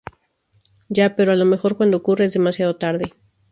ya, pero a lo mejor, cuando ocurra, es demasiado tarde.